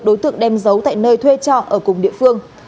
đối tượng đem giấu tại nơi thuê trọ ở cùng địa phương